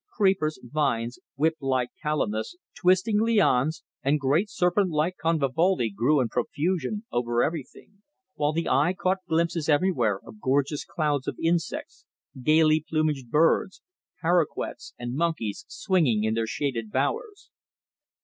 Creepers, vines, whip like calamus, twisting lianes and great serpent like convolvuli grew in profusion over everything, while the eye caught glimpses everywhere of gorgeous clouds of insects, gaily plumaged birds, paraquets, and monkeys swinging in their shaded bowers.